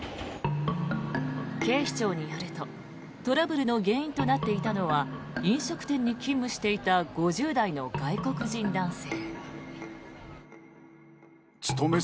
警視庁によるとトラブルの原因となっていたのは飲食店に勤務していた５０代の外国人男性。